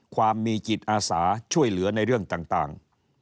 ความมีจิตอาสาช่วยเหลือในเรื่องต่าง